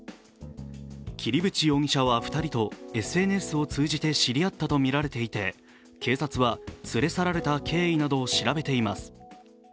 桐淵容疑者は２人とＳＮＳを通じて知り合ったとみられていて警察は連れ去られた経緯などを調べています。